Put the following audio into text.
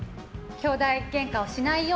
きょうだいげんかしなそう。